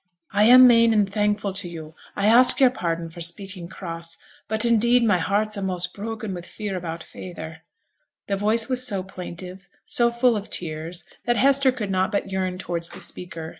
'I am main and thankful to yo'. I ask yo'r pardon for speaking cross, but, indeed, my heart's a'most broken wi' fear about feyther.' The voice was so plaintive, so full of tears, that Hester could not but yearn towards the speaker.